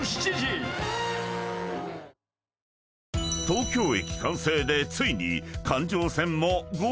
［東京駅完成でついに］